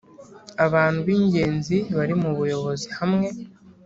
Abantu b ingenzi bari mu buyobozi hamwe